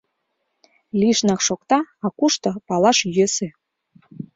Лишнак шокта, а кушто — палаш йӧсӧ.